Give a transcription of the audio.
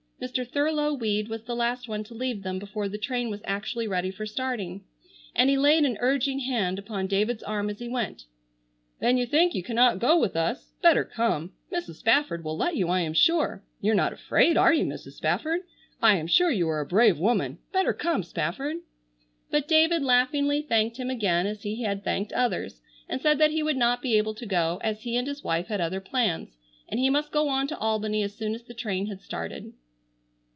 Mr. Thurlow Weed was the last one to leave them before the train was actually ready for starting, and he laid an urging hand upon David's arm as he went. "Then you think you cannot go with us? Better come. Mrs. Spafford will let you I am sure. You're not afraid are you, Mrs. Spafford? I am sure you are a brave woman. Better come, Spafford." But David laughingly thanked him again as he had thanked others, and said that he would not be able to go, as he and his wife had other plans, and he must go on to Albany as soon as the train had started.